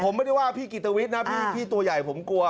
ผมไม่ได้ว่าพี่กิตวิทย์นะพี่ตัวใหญ่ผมกลัว